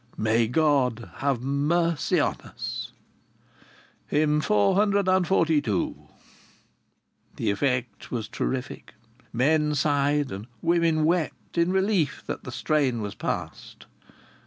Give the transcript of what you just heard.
May God have mercy on us. Hymn 442." The effect was terrific. Men sighed and women wept, in relief that the strain was past.